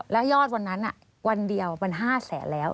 แล้วยอดวันนั้นวันเดียวมัน๕แสนแล้ว